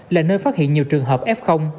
là nơi phát hiện nhiều trường hợp f